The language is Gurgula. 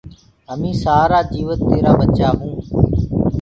همين سآرآ جيوت تيرآ ٻچآ هونٚ